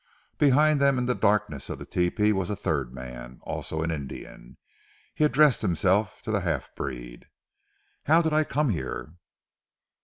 Behind them in the darkness of the tepee was a third man, also an Indian. He addressed himself to the half breed. "How did I come here?"